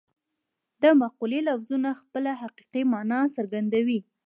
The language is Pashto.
د مقولې لفظونه خپله حقیقي مانا څرګندوي